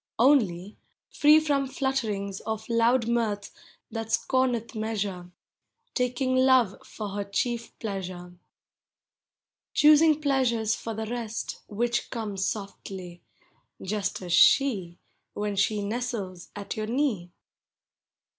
Only, free from flutterings Of loud mirth that scorneth measure, — Taking hive for her chief pleasure. Choosing pleasures, for the rest, Which come softly,— just as she, Wheu she nestles at your knee.